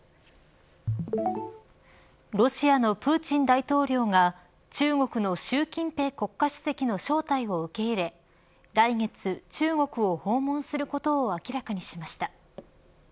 ロシアのプーチン大統領が中国の習近平国家主席の招待を受け入れ来月、中国を訪問することを明らかにしました。